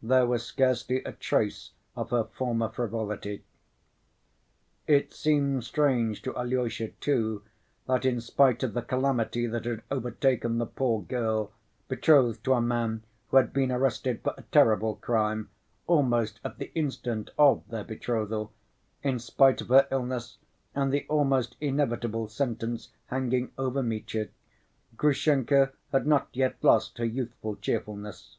There was scarcely a trace of her former frivolity. It seemed strange to Alyosha, too, that in spite of the calamity that had overtaken the poor girl, betrothed to a man who had been arrested for a terrible crime, almost at the instant of their betrothal, in spite of her illness and the almost inevitable sentence hanging over Mitya, Grushenka had not yet lost her youthful cheerfulness.